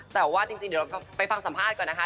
แต่ว่าจริงเดี๋ยวเราไปฟังสัมภาษณ์ก่อนนะคะ